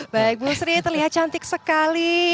baik bu sri terlihat cantik sekali